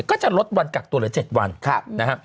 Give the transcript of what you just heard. ก็จะลดวันกักตัวเหลือ๗วันนะฮะ